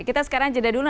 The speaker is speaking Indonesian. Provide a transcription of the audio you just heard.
kita sekarang jeda dulu